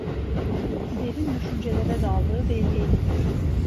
Derin düşüncelere daldığı belliydi.